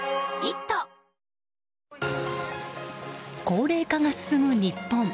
高齢化が進む日本。